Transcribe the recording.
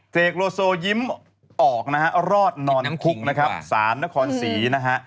เซเกโรโซยิ้มออกนะครับ